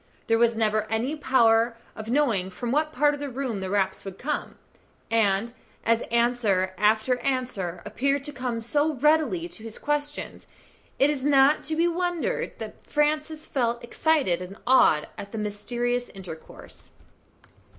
There was never any power of knowing from what part of the room the raps would come, and as answer after answer appeared to come so readily to his questions, it is not to be wondered at that Francis felt excited and awed at the mysterious intercourse.